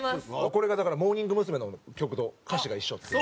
これがモーニング娘。の曲と歌詞が一緒っていう。